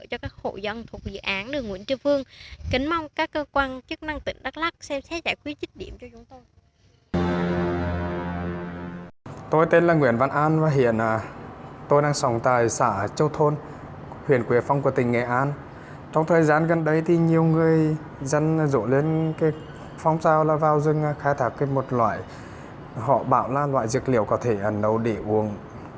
cho các hộ dân thuộc dự án đường nguyễn tri phương